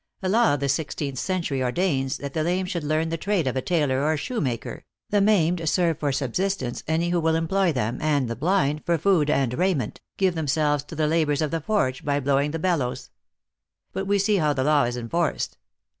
A law of the sixteenth oentury ordains that the lame should learn the trade of a tailor or shoemaker, the maimed serve for subsistence any who will employ them, and the blind, for food and raiment, give them selves to the labors of the forge, by blowing the bel lows. But we see how the law is enforced.